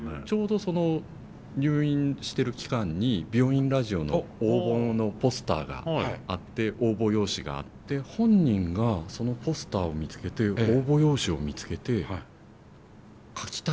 ちょうどその入院してる期間に「病院ラジオ」の応募のポスターがあって応募用紙があって本人がそのポスターを見つけて応募用紙を見つけて書きたいと。